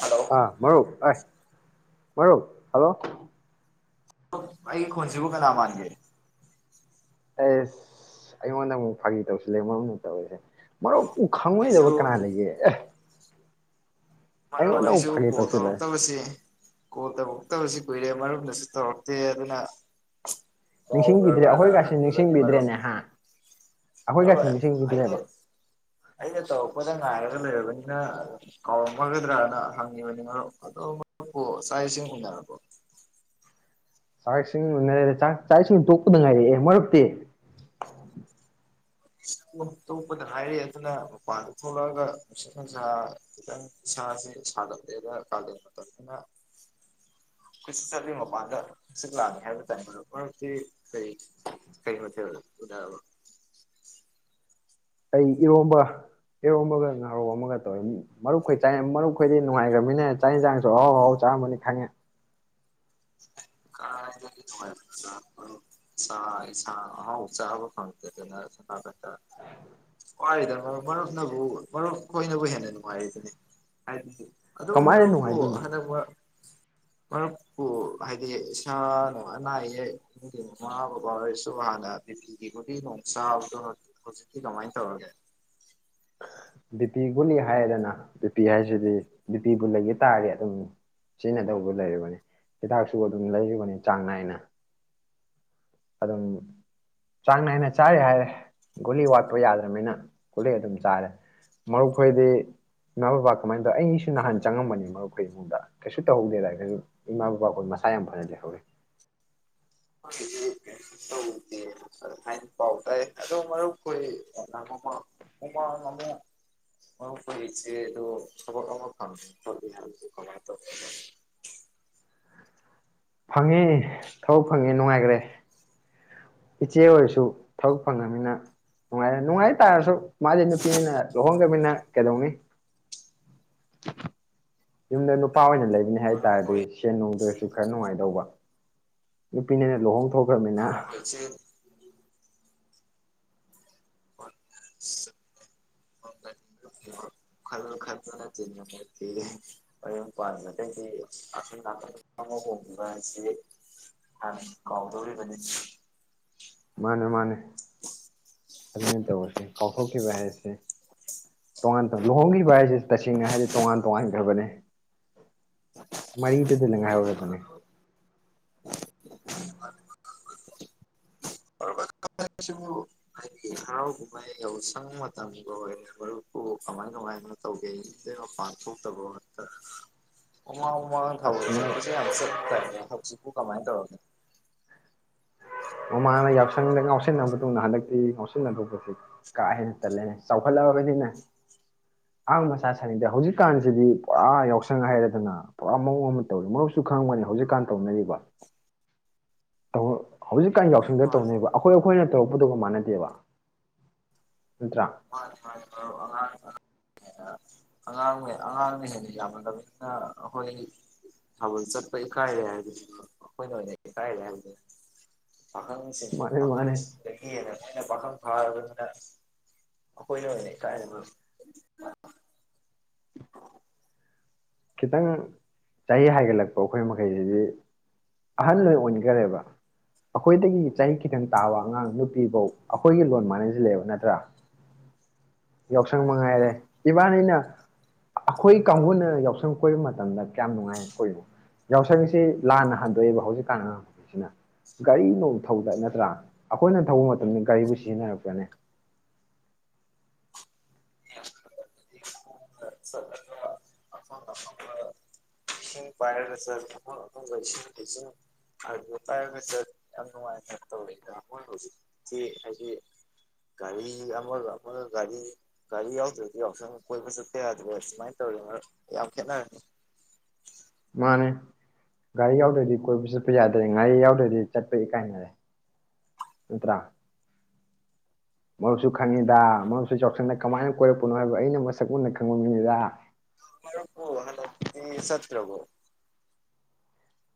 hello ꯑꯥ ꯃꯔꯔꯨꯞ ꯑ ꯃꯔꯔꯣ ꯍꯜꯂꯣ ꯑꯩ ꯈꯣꯟꯁꯤꯕꯨ ꯀꯅꯥ ꯃꯥꯟꯒꯦ ꯑꯦꯁ ꯑꯩꯉꯣꯟꯗ ꯑꯃꯨꯛ ꯐꯥꯒꯤ ꯇꯧꯁꯤꯂ ꯃꯔꯝꯗ ꯇꯧꯔꯤꯁꯦ ꯃꯔꯨꯞ ꯎ ꯈꯪꯉꯣꯏꯗꯕ ꯑꯩꯁꯨ ꯀꯅꯥ ꯂꯩꯒꯦ ꯑꯦ ꯃꯔ ꯑꯩꯉꯣꯟꯗ ꯑꯃꯨꯛ ꯑꯩꯁꯨ ꯐꯥꯒꯤ ꯄꯣ ꯇꯧꯁꯤꯜꯂꯛꯑꯦ ꯇꯧꯔꯛꯇꯕꯕꯁꯤ ꯀꯣꯠꯇ ꯎꯛꯇꯕꯕꯁꯤ ꯀꯨꯏꯔꯦ ꯃꯔꯝꯗꯁꯨ ꯇꯧꯔꯛꯇꯦ ꯑꯗꯨꯅ ꯅꯤꯡꯁꯤꯡꯕꯤꯗ꯭ꯔꯦ ꯀꯥꯎꯈ꯭ꯔꯕꯅ ꯑꯩꯈꯣꯏꯒꯁꯤ ꯍꯪꯉꯤꯕꯅꯤ ꯃꯔꯨꯞ ꯅꯤꯡꯁꯤꯡꯕꯤꯗ꯭ꯔꯦꯅꯦꯍꯥꯟ ꯑꯩꯈꯣꯏ ꯃꯔꯨꯞ ꯀꯁꯤ ꯑꯩꯅ ꯅꯤꯡꯁꯤꯡꯕꯤꯗꯤꯔꯃ ꯑꯩꯅ ꯇꯧꯔꯛꯄꯗ ꯉꯥꯏꯔꯒ ꯂꯩꯔꯕꯅꯤꯅ ꯀꯥꯎꯔꯝ ꯐꯒꯗ꯭ꯔꯅ ꯍꯪꯉꯤꯕꯅꯤ ꯃꯔꯨꯞ ꯑꯗꯣ ꯃꯔꯨꯞꯄꯨ ꯆꯥꯛ ꯏꯁꯤꯡ ꯀꯨꯟꯅꯔꯛꯄ ꯆꯥꯛ ꯏꯁꯤꯡꯥꯛ ꯆꯥꯛ ꯏꯁꯤꯡ ꯇꯣꯛꯄꯗ ꯉꯥꯏꯔꯛꯑꯦ ꯃꯔꯛꯇꯤ ꯇꯣꯛꯄꯗꯅ ꯍꯥꯏꯔꯛꯑꯦ ꯑꯗꯨꯅ ꯃꯄꯥꯟꯗ ꯊꯣꯛꯂꯛꯑꯒ ꯅꯨꯡꯁꯠ ꯪꯁꯥ ꯈꯤꯇꯪ ꯏꯁꯁꯤ ꯁꯥꯒꯠꯂꯦꯗ ꯀꯥꯂꯦꯟ ꯃꯇꯝꯗꯅ ꯀꯆꯠ ꯆꯠꯂꯤ ꯃꯄꯥꯟꯗ ꯈꯪꯆꯤꯠ ꯂꯥꯛꯑꯅꯤ ꯍꯥꯏꯕ ꯇꯥꯏ ꯃꯔ ꯃꯔꯛꯇꯤ ꯀꯩ ꯀꯩ ꯃꯊꯦꯜ ꯎꯅꯔꯕ ꯑꯩ ꯏꯔꯣꯝꯕ ꯏꯔꯣꯝꯕꯒ ꯉꯥꯔꯣꯝ ꯑꯃꯒ ꯇꯧꯋꯤ ꯃꯔꯨꯞꯈ ꯆ ꯃꯔꯨꯞꯈꯣꯏꯗꯤ ꯅꯨꯡꯉꯥꯏꯈ꯭ꯔꯃꯤꯅꯦ ꯆꯥꯛ ꯌꯦꯟꯁꯥꯡꯁꯨ ꯑꯍꯥꯎ ꯑꯍꯥꯎ ꯆꯥꯔꯝꯝꯕꯅꯤ ꯈꯪꯉꯦ ꯀꯥꯏꯏꯗꯒꯤ ꯅꯨꯡꯉꯥꯏꯕ ꯃꯔꯥꯛ ꯏꯁꯥꯡ ꯑꯍꯥꯎ ꯆꯥꯕ ꯐꯪꯉꯛꯇꯦꯗꯅ ꯁꯀꯛꯇ ꯋꯥꯔꯤꯗꯅ ꯃꯔ ꯃꯔꯨꯞꯅꯕꯨ ꯃꯔꯨꯞ ꯈꯣꯏꯅꯕꯨ ꯍꯦꯟꯅ ꯅꯨꯡꯉꯥꯏꯔꯤꯗꯨꯅꯤ ꯍꯥꯏꯗꯤ ꯑꯗꯨ ꯀꯃꯥꯏꯅ ꯃꯔꯨꯞꯄꯣ ꯅꯨꯡꯉꯥꯏꯗꯣꯏꯅꯣ ꯍꯟꯗꯛ ꯃ ꯍꯥꯏ ꯍꯥꯏꯗꯤ ꯏꯁꯥꯅꯅꯨꯡ ꯑꯅꯥ ꯑꯌꯦꯛꯒꯤ ꯃꯃꯥ ꯕꯕꯥ ꯑꯣꯏꯔꯁꯨ ꯍꯥꯟꯅ ꯕꯤꯄꯤꯤꯒꯤꯕꯨꯗꯤ ꯅꯨꯡ ꯆꯥꯕꯗꯣ ꯍꯧꯖꯤꯛꯇꯤ ꯀꯃꯥꯏꯅ ꯇꯧꯔꯒꯦ ꯗꯤꯄꯤ ꯒꯨꯂꯤ ꯍꯥꯏꯔꯗꯅ ꯗꯤꯄꯤ ꯍꯥꯏꯁꯤꯗꯤ ꯗꯤꯄꯤꯕꯨ ꯂꯩꯒ ꯇꯥꯔꯗꯤ ꯑꯗꯨꯝ ꯁꯤꯖꯤꯟꯅꯗꯕꯗꯨ ꯂꯩꯔꯤꯕꯅꯤ ꯍꯤꯗꯥꯛꯁꯨ ꯑꯗꯨꯝ ꯂꯩꯔꯤꯕꯅꯤ ꯆꯥꯡ ꯅꯥꯏꯅ ꯑꯗꯨꯝ ꯆꯥꯡ ꯅꯥꯏꯅ ꯆꯥꯏꯔꯦ ꯍꯥꯏꯔꯦ ꯒꯨꯂꯤ ꯋꯥꯠꯄ ꯌꯥꯗ꯭ꯔꯅꯤꯅ ꯒꯨꯂꯤ ꯑꯗꯨꯝ ꯆꯥꯔꯦ ꯃꯔꯨꯞꯈꯣꯏꯗꯤ ꯏꯃꯥ ꯕꯕꯥ ꯀꯃꯥꯏꯅ ꯇꯧꯋ ꯑꯩꯅꯤꯁꯨ ꯅꯍꯥꯟ ꯆꯪꯉꯝꯕꯅꯤ ꯃꯔꯨꯞꯈꯣꯏ ꯏꯃꯨꯡꯗ ꯀꯩꯁꯨ ꯇꯧꯍꯧꯗꯦꯗ ꯏꯃꯥ ꯕꯕꯥꯈꯣꯏ ꯃꯁꯥ ꯌꯥꯝ ꯐꯅꯖꯩꯍꯧꯋ [unintelligible] ꯐꯪꯉꯦ ꯊꯕꯛ ꯐꯪꯉꯦ ꯅꯨꯡꯉꯥꯏꯈ꯭ꯔꯦ ꯏꯆꯦ ꯑꯣꯏꯔꯁꯨ ꯊꯕꯛ ꯐꯪꯉꯅꯤꯅꯅꯨꯡꯉꯥꯏꯔꯦ ꯅꯨꯡꯉꯥꯏ ꯇꯥꯔꯁꯨ ꯃꯥꯗꯤ ꯅꯨꯄꯤꯅꯤꯅ ꯂꯨꯍꯣꯡꯗꯅꯤꯅ ꯀꯩꯗꯧꯅꯤ ꯌꯨꯝꯗ ꯅꯨꯄꯥ ꯑꯣꯏꯅ ꯂꯩ ꯍꯥꯏ ꯇꯥꯔꯗꯤ ꯃꯔꯨꯞꯈꯣꯏ ꯁꯤꯅ ꯅꯣꯡꯗ ꯁꯤ ꯈꯔ ꯅꯨꯡꯉꯥꯏꯗꯧꯕ ꯅꯨꯄꯤꯅꯤꯅ ꯂꯨꯍꯣꯡ ꯊꯣꯛꯈ꯭ꯔꯃꯅꯤꯅ ꯀꯣꯏꯁꯦ [unintelligible] ꯈꯜꯂ ꯈꯠꯇꯅ ꯇꯤꯟꯅꯤꯦ ꯍꯌꯦꯨꯝ ꯄꯗꯩꯗꯤ ꯑꯈꯅꯥꯀ ꯑꯃ ꯍꯣꯡꯕꯁꯤ ꯍꯥꯟꯅ ꯀꯥꯎꯗꯧꯔꯤꯕꯅꯤ ꯃꯥꯅꯦ ꯃꯥꯅꯦ ꯑꯗꯨꯅꯤ ꯇꯧꯔꯤꯁꯤ ꯀꯥꯎꯊꯣꯛꯈꯤꯕ ꯍꯥꯏꯁꯦ ꯇꯣꯉꯥꯟꯉ ꯂꯨꯍꯣꯡꯈꯤꯕ ꯍꯥꯏꯁꯦ ꯇꯁꯦꯡꯅ ꯍꯥꯏꯗꯤ ꯇꯣꯉꯥꯟ ꯇꯣꯉꯥꯟꯈ꯭ꯔꯕꯅꯦ ꯃꯔꯤꯗꯨꯗꯅ ꯉꯥꯏꯍꯧꯔꯕꯅꯦ ꯁꯨ ꯍꯥꯏꯗꯤ ꯍꯔꯥꯎ ꯀꯨꯝꯍꯩ ꯌꯥꯎꯁꯪ ꯃꯇꯝꯒ ꯑꯣꯏꯔꯦ ꯃꯔꯨꯞꯄꯨ ꯀꯃꯥꯏ ꯀꯃꯥꯏꯅ ꯇꯧꯒꯦ ꯃꯄꯥꯟ ꯊꯣꯛꯇꯕ ꯉ ꯃꯃꯥꯪ ꯃꯃꯥꯡ ꯑꯁ ꯊꯧꯔꯁꯦꯕꯁꯨ ꯌꯥꯝ ꯆꯠ ꯇꯥꯏꯅꯦ ꯍꯧꯖꯤꯛ ꯄꯨ ꯀꯃꯥꯏ ꯇꯧꯔꯦ ꯃꯃꯥꯅ ꯌꯥꯎꯁꯪꯗ ꯉꯎꯁꯟꯅꯂꯕ ꯃꯇꯨꯡꯗ ꯍꯟꯗꯛꯇꯤ ꯉꯥꯎꯁꯤꯟꯅꯂꯗꯧꯕꯁꯤ ꯀꯥ ꯍꯦꯟꯅ ꯇꯜꯂꯦ ꯆꯥꯎꯈꯠꯂꯛꯑꯕꯅꯤꯅꯦ ꯑꯍꯥꯡ ꯃꯁ ꯁꯅꯤꯡꯗꯦ ꯍꯧꯖꯤꯛꯀꯥꯟꯁꯤꯗꯤ ꯄꯨꯔꯥ ꯌꯥꯎꯁꯪ ꯍꯥꯏꯔꯗꯅ ꯄꯨꯔꯥ ꯃꯑꯣꯡ ꯑꯃ ꯇꯧꯔꯤꯦ ꯃꯔꯨꯁꯨ ꯈꯪꯕꯅꯤ ꯍꯧꯖꯤꯛꯀꯥꯟ ꯇꯧꯅꯔꯤꯕꯔꯤꯕ ꯍꯧꯖꯤꯛ ꯀ ꯌꯥꯎꯁꯟꯗ ꯃꯥꯅꯤ ꯇꯧꯅꯦꯕ ꯑꯩꯈꯣꯏ ꯑꯩꯈꯣꯏꯅ ꯇꯧꯟꯗꯨꯒ ꯃꯥꯟꯅꯗꯦꯕ ꯅꯠꯇ꯭ꯔꯥ ꯃꯥꯅꯤ ꯃꯥꯅꯤ ꯃꯔꯨꯞ ꯑꯉꯥꯪ ꯑꯉꯥꯡ ꯑꯉꯥꯡꯅ ꯍꯦꯟꯅ ꯌꯥꯝꯅꯂꯃꯤꯅ ꯑꯩꯈꯣꯏ ꯊꯥꯕꯜ ꯆꯠꯄ ꯏꯀꯥꯏꯔꯦ ꯍꯥꯏꯕꯗꯨ ꯑꯩꯈꯣꯏꯅ ꯑꯣꯏꯅ ꯏꯀꯥꯏꯔꯦ ꯍꯥꯏꯕꯗꯨꯦ ꯄꯈꯥꯪ ꯁꯥꯔꯤ ꯃꯥꯅꯦ ꯃꯥꯅꯦ ꯄꯈꯪꯗꯒꯤ ꯍꯦꯅꯟ [unintelligible] ꯄꯥꯈꯥꯪ ꯐꯥꯔꯕꯅꯤꯟ ꯑꯩꯈꯣꯌꯅ ꯍꯦꯟꯅꯥ ꯏ ꯃꯔꯨꯞ ꯈꯤꯇꯪ ꯆꯍꯤ ꯍꯥꯏꯒꯠꯂꯛꯄ ꯑꯩꯈꯣꯏ ꯃꯈꯩꯁꯤꯗꯤ ꯑꯍꯜ ꯂꯣꯏ ꯑꯣꯏꯅꯈꯔꯦꯕ ꯑꯩꯈꯣꯏꯗꯒꯤ ꯆꯍꯤ ꯈꯤꯇꯪ ꯇꯥꯕ ꯑꯉꯥꯡ ꯅꯨꯄꯤ ꯐꯧ ꯑꯩꯈꯣꯏꯒꯤ ꯂꯣꯟ ꯃꯥꯟꯅꯁꯤꯜꯂꯛꯑꯦꯕ ꯅꯠꯇ꯭ꯔꯥ ꯌꯥꯎꯁꯪ ꯃꯉꯥꯏꯔꯦ ꯏꯕꯥꯅꯤꯅ ꯑꯩꯈꯣꯏ ꯀꯥꯡꯕꯨꯅ ꯌꯥꯎꯁꯪ ꯌꯥꯎꯁꯪ ꯀꯣꯏꯕ ꯃꯇꯝꯗ ꯀꯌꯥꯝ ꯅꯨꯡꯉꯥꯏ ꯑꯩꯈꯣꯏꯕꯨ ꯌꯥꯎꯁꯪꯁꯤ ꯂꯥꯟꯅ ꯍꯟꯗꯣꯛꯑꯦꯕ ꯍꯧꯖꯤꯛꯀꯥꯟ ꯑꯥꯡꯁꯤꯅ ꯒꯥꯔꯤꯅꯧ ꯊꯧꯗ ꯅꯠꯇ꯭ꯔꯥ ꯑꯩꯈꯣꯏꯅ ꯊꯧꯕ ꯃꯇꯝꯗ ꯒꯥꯔꯤꯕꯨ ꯁꯤꯖꯤꯟꯅꯔꯛꯄ꯭ꯔꯅꯦ ꯆꯠꯂꯒ ꯑꯐꯪ ꯑꯐꯪꯕ ꯏꯁꯤꯡ ꯄꯥꯏꯔꯒ ꯆꯠ ꯑꯐꯣꯡ ꯑꯐꯪꯕ ꯏꯁꯤꯡ ꯏꯁꯤꯡ ꯑꯗꯨ ꯄꯥꯏꯔꯒ ꯆꯠ ꯌꯥꯝ ꯅꯨꯡꯉꯥꯏꯅ ꯇꯧꯋꯦꯗ ꯑꯃꯣꯏ ꯍꯧꯖꯤꯛꯇꯁꯤ ꯍꯥꯏꯗꯤ ꯒꯥꯔꯤ ꯑꯃꯒ ꯑꯃꯒ ꯒꯥꯔꯤ ꯒꯥꯔꯤ ꯌꯥꯎꯗ꯭ꯔꯗꯤ ꯌꯥꯎꯁꯪ ꯀꯣꯏꯕ ꯆꯠꯄ ꯌꯥꯗ꯭ꯔ ꯁꯨꯃꯥꯏꯅ ꯇꯧꯔꯤꯅ ꯌꯥꯝ ꯈꯦꯠꯅꯔꯅꯤ ꯃꯥꯅꯦ ꯒꯥꯔꯤ ꯌꯥꯎꯗ꯭ꯔꯗꯤ ꯀꯣꯏꯕ ꯆꯠꯄ ꯌꯥꯗ꯭ꯔꯦ ꯉꯥꯔꯤ ꯌꯥꯎꯗ꯭ꯔꯗꯤ ꯆꯠꯄ ꯏ ꯀꯥꯏꯅꯔꯦ ꯅꯠꯇ꯭ꯔꯥ ꯃꯔꯨꯞꯁꯨ ꯈꯪꯉꯤꯗ ꯃꯔꯨꯞꯁꯨ ꯌꯥꯎꯁꯪꯗ ꯀꯃꯥꯏꯅ ꯀꯣꯏꯔꯛꯄꯅꯣ ꯍꯥꯏꯕ ꯑꯩꯅ ꯃꯁꯛ ꯃꯨꯟꯅ ꯈꯪꯕ ꯃꯤꯉꯤꯗ [unintelligible] ꯍꯜꯗꯥꯛꯇꯤ ꯇ꯭ꯔꯕꯣ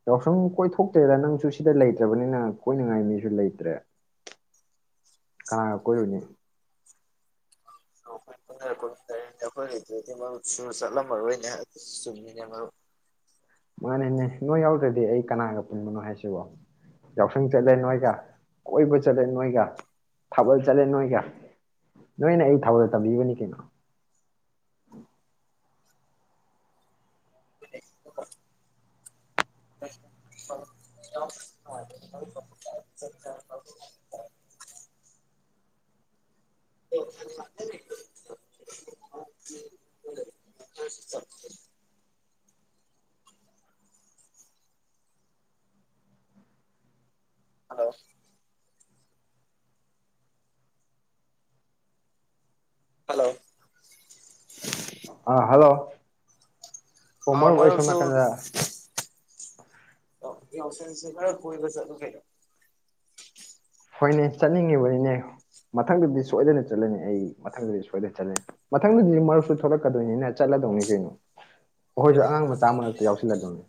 ꯌꯥꯎꯁꯪ ꯀꯣꯏꯊꯣꯛꯇ꯭ꯔꯦꯗ ꯅꯪꯁꯨ ꯁꯤꯗ ꯂꯩꯇ꯭ꯔꯕꯅꯤꯅꯪ ꯀꯣꯏꯅꯤꯡꯉꯥꯏ ꯃꯤꯁꯨ ꯂꯩꯇ꯭ꯔꯦ ꯀꯥꯒ ꯀꯣꯏꯔꯨꯅꯤ ꯑꯩꯈꯣꯏ ꯄꯨꯟꯅꯔꯃꯤꯟꯅꯅꯦ ꯑꯩꯈꯣꯏ ꯂꯩꯗꯨꯗꯤ ꯃꯔꯨꯞ ꯁꯨꯅ ꯆꯠꯂꯝꯃꯔꯣꯏꯅꯦ ꯆꯨꯝꯃꯤꯅꯦ ꯃꯔꯨꯞ ꯃꯥꯅꯦꯅꯦ ꯅꯣꯏ ꯌꯥꯎꯗ꯭ꯔꯗꯤ ꯑꯩ ꯀꯅꯥꯒ ꯄꯨꯟꯕꯅꯣ ꯍꯥꯏꯁꯤꯕꯣ ꯌꯥꯎꯁꯪ ꯆꯠꯂꯦ ꯅꯣꯏꯒ ꯀꯣꯏꯕ ꯆꯠꯂꯦ ꯅꯣꯏꯒ ꯊꯥꯕꯜ ꯆꯠꯂꯦ ꯅꯣꯏꯒ ꯅꯣꯏꯅ ꯑꯩ ꯊꯥꯕꯜ ꯇꯝꯕꯤꯕꯅꯤ ꯀꯩꯅꯣ ꯁ [unintelligible] ꯍꯜꯂꯣ ꯍꯜꯂꯣ ꯑꯥ ꯍꯂꯣ ꯑꯣ ꯑꯥꯎ ꯃꯔꯨꯞ ꯑꯩ ꯁꯣꯃ ꯃꯔꯨꯞꯁꯨ ꯅꯥꯀꯟꯗ ꯌꯥꯑꯣꯁꯪꯁꯤ ꯈꯔꯥ ꯀꯣꯏꯕ ꯆꯠꯂꯨ ꯀꯩꯅꯣ ꯍꯣꯏꯅꯦ ꯆꯠꯅꯤꯡꯉꯤꯕꯅꯤꯅꯦ ꯃꯊꯪꯗꯗꯤ ꯁꯣꯏꯗꯅ ꯆꯠꯂꯅꯤ ꯑꯩ ꯃꯊꯪꯗꯗꯤ ꯁꯣꯏꯗꯅ ꯆꯠꯂꯅꯤ ꯃꯊꯪꯗꯗꯤ ꯃꯔꯨꯞꯁꯨ ꯊꯣꯛꯂꯛꯀꯗꯣꯏꯅꯤꯅ ꯆꯠꯂꯗꯧꯅꯤ ꯀꯩꯅꯣ ꯑꯩꯈꯣꯏꯁꯨ ꯑꯉꯥꯡ ꯃꯆꯥ ꯃꯔꯛꯇ ꯌꯥꯎꯁꯤꯜꯂꯗꯧꯅꯤ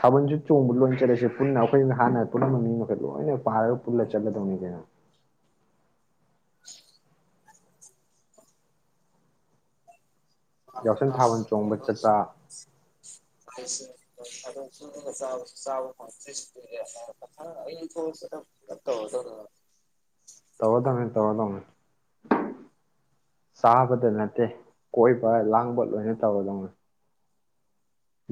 ꯊꯥꯕꯜꯁꯨ ꯆꯣꯡꯕꯗ ꯂꯣꯏ ꯆꯠꯂꯏꯁꯦ ꯄꯨꯟꯅ ꯑꯩꯈꯣꯏ ꯍꯥꯟꯅ ꯄꯨꯨꯝꯅꯃꯛ ꯃꯤ ꯃꯈꯩ ꯂꯣꯏꯅ ꯄꯥꯔꯒ ꯄꯨꯂ ꯆꯠꯂꯗꯧꯅꯤ ꯀꯩꯅꯣ ꯌꯥꯎꯁꯪ ꯊꯥꯕꯜ ꯆꯣꯡꯕ ꯆꯠꯄ [unintelligible] ꯇꯧꯔꯗꯧꯅꯤ ꯇꯧꯔꯗꯧꯅꯤ ꯆꯥꯕꯗ ꯅꯠꯇꯦ ꯀꯣꯏꯕ ꯂꯥꯡꯕ ꯂꯣꯏꯅ ꯇꯧꯔꯗꯧꯅꯤ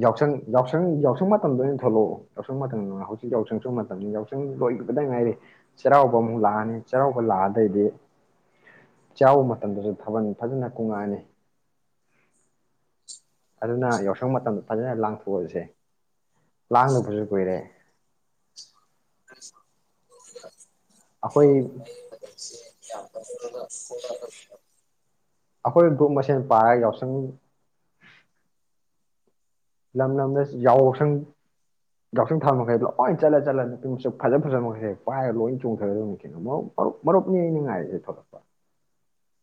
ꯌꯥꯎꯁꯪ ꯌꯥꯎꯁꯪ ꯌꯥꯎꯁꯪ ꯃꯇꯝꯗ ꯑꯣꯏꯅ ꯊꯣꯛꯂꯛꯑꯣ ꯌꯥꯎꯁꯪ ꯃꯇꯝꯗ ꯍꯧꯖꯤꯛ ꯌꯥꯎꯁꯪꯁꯨ ꯃꯇꯝ ꯌꯥꯎꯁꯪ ꯂꯣꯏꯕꯗ ꯉꯥꯏꯔꯤ ꯆꯩꯔꯥꯎꯕ ꯑꯃꯨꯛ ꯂꯥꯛꯑꯅꯤ ꯆꯩꯔꯥꯎꯕ ꯂꯥꯛꯑꯗꯩꯗꯤ ꯆꯩꯔꯥꯎꯕ ꯃꯇꯝꯗꯁꯨ ꯊꯥꯕꯜ ꯐꯖꯅ ꯀꯨꯡꯉꯛꯑꯅꯤ ꯑꯗꯨꯅ ꯌꯥꯎꯁꯪ ꯃꯇꯝꯗ ꯐꯖꯅ ꯂꯥꯡꯊꯣꯛꯑꯁꯦ ꯂꯥꯡꯗꯕꯁꯨ ꯀꯨꯏꯔꯦ ꯑꯩꯈꯣꯏ [inaudible] ꯑꯩꯈꯣꯏ ꯒ꯭ꯔꯨꯞ ꯃꯁꯦꯟ ꯄꯥꯔꯒ ꯌꯥꯎꯁꯪ ꯂꯝ ꯂꯝꯗ ꯌꯥꯎꯁꯪ ꯌꯥꯎꯁꯪ ꯊꯥꯕ ꯃꯈꯩꯗꯣ ꯂꯣꯏ ꯆꯠꯂ ꯆꯠꯂ ꯅꯨꯄꯤꯃꯛꯁ ꯐꯖ ꯐꯖꯕ ꯃꯈꯩꯁꯦꯛ ꯄꯥꯏꯔꯒ ꯂꯣꯏ ꯆꯣꯡꯊꯒꯗꯧꯅꯤꯅꯣ ꯃꯔꯨꯞ ꯃꯔꯨꯞ ꯃꯔꯨꯞꯅꯤ ꯑꯩꯅ ꯉꯥꯏꯔꯤꯁꯦ ꯊꯣꯛꯂꯛꯄ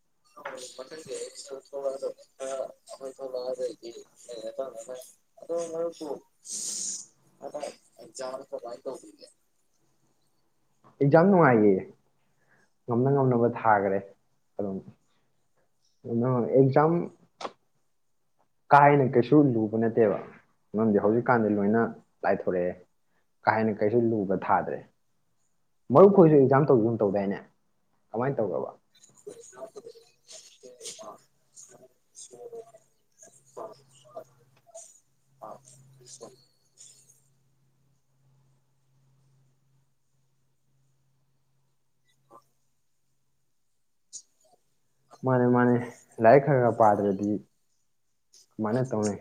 ꯑꯩꯈꯣꯏ ꯑꯣ ꯄ ꯑꯗꯖ ꯀꯃꯥꯏ ꯇꯧꯦ ꯑꯦꯛꯖꯥꯝ ꯅꯨꯡꯉꯥꯏꯈꯤꯌꯦ ꯉꯝꯅ ꯉꯝꯅꯕ ꯊꯥꯈꯔꯦ ꯑꯗꯨꯝ ꯉ ꯉ ꯑꯦꯛꯖꯥꯝ ꯀꯥ ꯍꯦꯟꯅ ꯀꯩꯁꯨ ꯂꯨꯕ ꯅꯠꯇꯦꯕ ꯃꯔꯝꯗꯤ ꯍꯧꯖꯤꯛꯀꯥꯟꯗꯤ ꯂꯣꯏꯅ ꯂꯥꯏꯊꯣꯔꯛꯑꯦ ꯀꯥ ꯍꯦꯟꯅ ꯀꯩꯁꯨ ꯂꯨꯕ ꯊꯥꯗ꯭ꯔꯦ ꯃꯔꯨꯞ ꯈꯣꯏꯁꯨ ꯑꯦꯛꯖꯥꯝ ꯇꯧꯨꯝ ꯇꯧꯗꯥꯏꯅꯦ ꯀꯃꯥꯏꯅ ꯇꯧꯔꯕ [inaudible] ꯃꯥꯅꯦ ꯃꯥꯅꯦ ꯂꯥꯏꯔꯤꯛ ꯈꯔ ꯈꯔ ꯄꯥꯗ꯭ꯔꯗꯤ ꯀꯃꯥꯏꯅ ꯇꯧꯅꯩ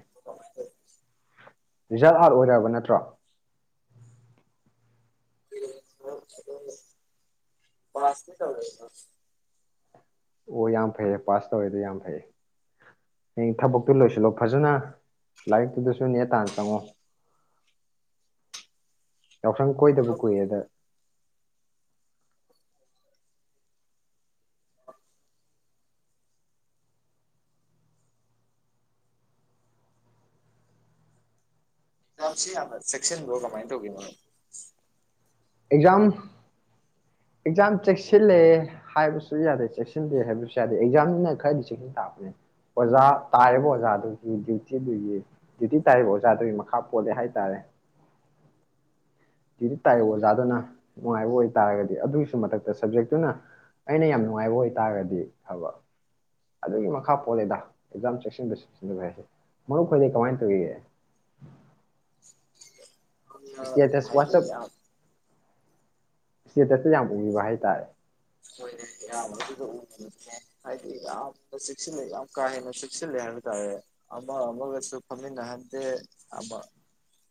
ꯔꯤꯖꯜꯠ ꯑꯥꯎꯠ ꯑꯣꯏꯔꯕ ꯅꯠꯇ꯭ꯔꯣ ꯄꯥꯁꯇꯤ ꯇꯧꯔꯦꯗꫭ ꯑꯣ ꯌꯥꯝ ꯐꯩꯌꯦ ꯄꯥꯁ ꯇꯧꯋꯦꯗ ꯌꯥꯝ ꯐꯩꯌꯦ ꯍꯌꯦꯡ ꯊꯕꯛꯇꯨ ꯂꯣꯏꯁꯤꯜꯂꯣ ꯐꯖꯅ ꯂꯥꯏꯔꯤꯛꯇꯨꯗꯁꯨ ꯅꯦ ꯇꯥꯅ ꯆꯪꯉꯣ ꯌꯥꯎꯁꯪ ꯀꯣꯏꯗꯕ ꯃꯔꯨꯞ ꯀꯨꯏꯌꯦꯗ ꯑꯦꯛꯖꯝꯁꯤ ꯍꯥꯟꯅ ꯆꯦꯛꯁꯟ ꯕꯔꫭ ꯀꯃꯥꯏ ꯇꯧꯒꯦ ꯑꯦꯛꯖꯥꯝ ꯑꯦꯛꯖꯥꯝ ꯆꯦꯛꯁꯤꯜꯂꯦ ꯍꯥꯏꯕꯁꯨ ꯌꯥꯗꯦ ꯆꯦꯛꯁꯤꯜꯂꯦ ꯍꯥꯏꯕꯁꯨ ꯌꯥꯗꯦ ꯑꯦꯛꯖꯥꯝꯗꯨꯅ ꯈꯔꯗꯤ ꯆꯦꯛꯁꯤꯟ ꯊꯥꯕꯅꯦ ꯑꯣꯖꯥ ꯇꯥꯔꯤꯕ ꯑꯣꯖꯥꯗꯨꯒꯤ ꯗ꯭ꯌꯨꯇꯤꯗꯨꯒꯤ ꯗ꯭ꯌꯨꯇꯤ ꯇꯥꯔꯤꯕ ꯑꯣꯖꯥꯗꯨꯒꯤ ꯃꯈꯥ ꯄꯣꯜꯂꯦ ꯍꯥꯏꯇꯥꯔꯦ ꯗ꯭ꯌꯨꯇꯤ ꯇꯥꯔꯤꯕ ꯑꯣꯖꯥ ꯑꯗꯨꯅ ꯅꯨꯡꯉꯥꯏꯕ ꯑꯣꯏꯇꯥꯥꯔꯒꯗꯤ ꯑꯗꯨꯒꯤꯁꯨ ꯃꯊꯛꯇ ꯁꯕꯖꯦꯛꯇꯨꯅ ꯑꯩꯅ ꯌꯥꯝ ꯅꯨꯡꯉꯥꯏꯕ ꯑꯣꯏꯇꯥꯥꯔꯒꯗꯤ ꯐꯕ ꯑꯗꯨꯒꯤ ꯃꯈꯥ ꯄꯣꯜꯂꯦꯗ ꯑꯦꯛꯖꯥꯝ ꯆꯦꯛꯁꯤꯟꯕ ꯆꯦꯛꯁꯤꯟꯗꯕ ꯍꯥꯏꯁꯦ ꯃꯔꯨꯞ ꯐꯗꯤꯩ ꯀꯃꯥꯏꯅ ꯇꯧꯔꯤꯒꯦ [unintelligible] ꯍ ꯏꯁꯇꯦꯇꯁ ꯍꯥꯏꯕꯤ ꯋꯥꯆꯞ ꯌꯥꯝ ꯁꯇꯦꯇꯁꯇ ꯌꯥꯝ ꯎꯈꯤꯕ ꯍꯥꯏꯇꯥꯔꯦ ꯍꯣꯏꯅꯦ ꯌꯥꯝ ꯑꯗꯨꯗ ꯎ ꯍꯥꯏꯗꯤ ꯌꯥꯝꯅ ꯆꯁꯤꯜꯂꯦ ꯌꯥꯝ ꯀꯥ ꯍꯦꯟꯅ ꯆꯦꯛꯁꯤꯜꯂꯦ ꯍꯥꯏꯕ ꯇꯥꯔꯦ ꯑꯃ ꯑꯃꯒꯁꯨ ꯐꯝꯃꯤꯟꯅꯍꯟꯗꯦ ꯑꯃ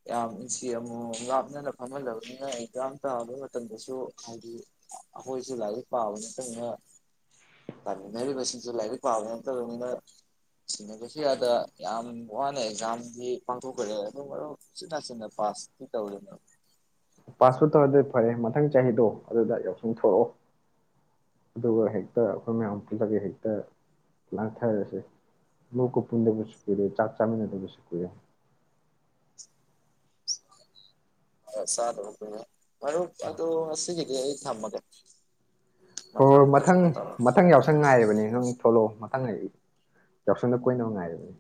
ꯌꯥꯝ ꯏꯟꯆꯤ ꯑꯃꯃꯝ ꯂꯥꯞꯅꯅ ꯐꯝꯍꯜꯂꯕꯅꯤꯅ ꯑꯦꯛꯖꯥꯝ ꯇꯥꯕ ꯃꯇꯝꯗꯁꯨ ꯍꯥꯏꯗꯤ ꯑꯩꯈꯣꯏꯁꯨ ꯂꯥꯏꯏꯛ ꯄꯥꯕ ꯅꯠꯇꯅꯤꯅ ꯄꯥꯃꯤꯟꯅꯔꯤꯕꯁꯤꯡꯁꯦ ꯂꯥꯏꯔꯤꯛ ꯄꯥꯕ ꯅꯠꯇꯕꯅꯤꯅ ꯁꯤꯟꯅꯕꯁꯤ ꯑꯗ ꯌꯥꯝ ꯋꯥꯅ ꯑꯦꯛꯖꯥꯝꯗꯤ ꯄꯥꯡꯊꯣꯛꯈ꯭ꯔꯦ ꯑꯗꯨ ꯃꯔꯨꯞ ꯁꯤꯤꯠ ꯅꯥꯆꯤꯟꯅ ꯄꯥꯁꯇꯤ ꯇꯧꯔꯦꯅꯦ ꯄꯥꯁꯄꯣꯔꯠ ꯇꯧꯔ ꯑꯗꯨꯗꯤ ꯐꯔꯦ ꯃꯊꯪ ꯆꯍꯤꯗꯣ ꯑꯗꯨꯗ ꯌꯥꯎꯁꯪ ꯊꯣꯛꯛꯑꯣ ꯑꯗꯨꯒ ꯍꯦꯛꯇ ꯑꯩꯈꯣꯏ ꯃꯌꯥꯝ ꯄꯨꯜꯂꯒ ꯍꯦꯛꯇ ꯂꯥꯟꯊꯔꯁꯦ ꯂꯣꯛ ꯀꯨ ꯄꯨꯟꯗꯕꯁꯨ ꯀꯨꯏꯔꯦ ꯆꯥꯛ ꯆꯥꯃꯤꯟꯅꯗꯕꯁꯨ ꯀꯨꯏꯔꯦ ꯆꯥꯗꯕ ꯀꯨꯏꯔꯦ ꯃꯔꯨꯞ ꯑꯗꯨ ꯉꯁꯤꯒꯤꯗꯤ ꯑꯩ ꯊꯝꯃꯒꯦ ꯍꯣꯏ ꯍꯣꯏ ꯃꯊꯪ ꯐꯖꯅ ꯇꯧꯔ ꯃꯊꯪ ꯌꯥꯎꯁꯪ ꯉꯥꯏꯔꯤꯕꯅꯤ ꯅꯪ ꯊꯣꯛꯂꯛꯑꯣ ꯍꯪꯉꯛꯏ ꯌꯥꯎꯁꯪꯗ ꯀꯣꯏꯅꯕ ꯉꯥꯏꯔꯕꯅꯦ